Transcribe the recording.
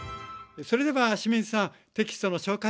それでは清水さんテキストの紹介